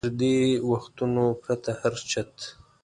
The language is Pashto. تر دې وختونو پرته هر چت.